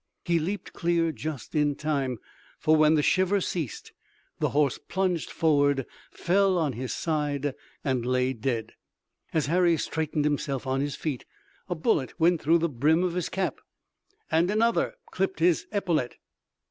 He leaped clear just in time, for when the shiver ceased, the horse plunged forward, fell on his side and lay dead. As Harry straightened himself on his feet a bullet went through the brim of his cap, and another clipped his epaulet.